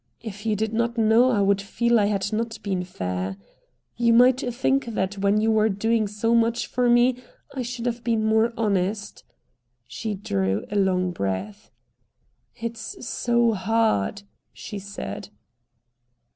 If you did not know I would feel I had not been fair. You might think that when you were doing so much for me I should have been more honest." She drew a long breath. "It's so hard," she said.